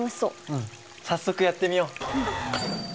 うん早速やってみよう。